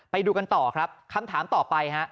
ไปดูกันต่อครับคำถามต่อไปฮะ